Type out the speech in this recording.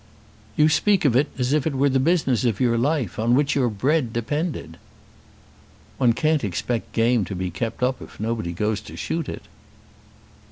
"You speak of it as if it were the business of your life, on which your bread depended." "One can't expect game to be kept up if nobody goes to shoot it."